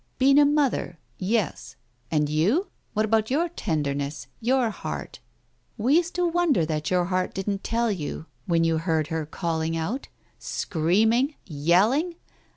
... "Been a mother — yes. And you? — what about your tenderness — your heart ? We used to wonder that your heart didn't tell you when you heard her calling out — screaming — yelling?